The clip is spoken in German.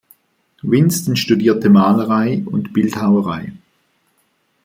Winston studierte Malerei und Bildhauerei.